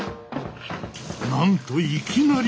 なんといきなり洗顔だ。